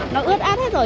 nó ướt át hết rồi